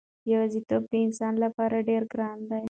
یوازېتوب د انسان لپاره ډېر ګران دی.